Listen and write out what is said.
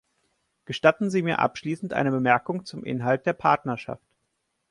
Gestatten Sie mir abschließend eine Bemerkung zum Inhalt der Partnerschaft.